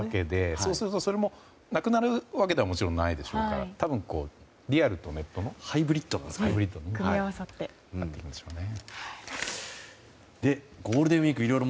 そうすると、それもなくなるわけではないでしょうから多分、リアルとネットのハイブリッドが組み合わさっているんでしょうね。